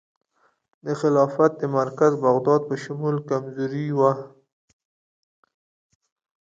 د خلافت د مرکز بغداد په شمول کمزوري وه.